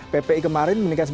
ppi kemarin menilai